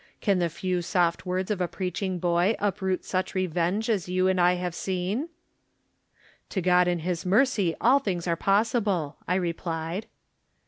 Can the few soft words of a preaching boy uproot such revenge as you and I have seen? "To God in His mercy all things are pos sible/' I replied.